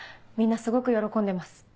みんなすごく喜んでます。